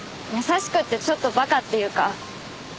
優しくってちょっと馬鹿っていうか。